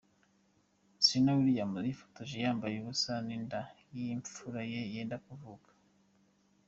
Serena Williams yifotoje yambaye ubusa n'inda y'imfura ye yenda kuvuka.